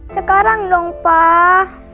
sekarang dong pak